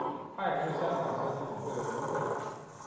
他也是香港象棋总会的荣誉会长。